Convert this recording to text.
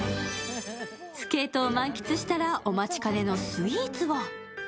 スケートを満喫したらお待ちかねのスイーツを。